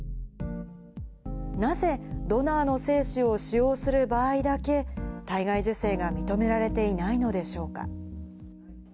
なぜドナーの精子を使用する場合だけ、体外受精が認められていないのでしょうか。